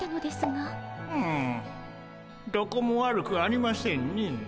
うんどこも悪くありませんね。